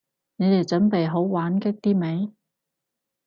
你哋準備好玩激啲未？